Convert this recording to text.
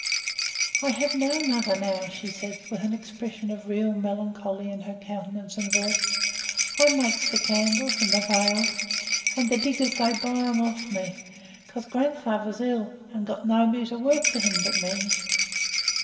"I have no mother now," said she, with an expression of real melancholy in her countenance and voice. "I makes the candles and the veils, and the diggers they buys them of me, cos grandfather's ill, and got nobody to work for him but me."